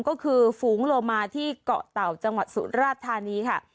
ก็คือฝูงโลมาที่เกาะเต่าจังหวัดสุราชธานีค่ะ